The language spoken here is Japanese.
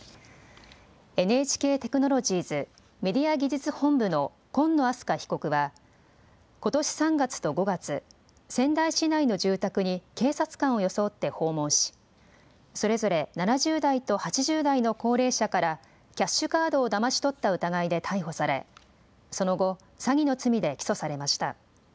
ＮＨＫテクノロジーズメディア技術本部の金野明日佳被告はことし３月と５月、仙台市内の住宅に警察官を装って訪問し、それぞれ７０代と８０代の高齢者からキャッシュカードをだまし取った疑いで逮捕されその後、詐欺の罪で起訴されました。